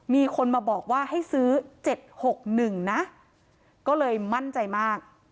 มีคนมาบอกว่าให้ซื้อ๗๖๑นะก็เลยมั่นใจมาก